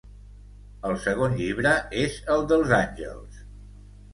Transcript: El segon llibre és el dels àngels.